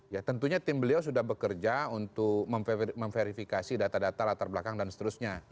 ya tentunya tim beliau sudah bekerja untuk memverifikasi data data latar belakang dan seterusnya